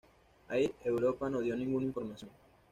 Air Europa no dio ninguna información.